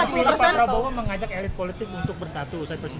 tapi pak prabowo mengajak elit politik untuk bersatu